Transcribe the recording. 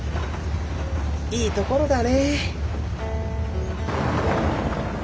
いいところだね。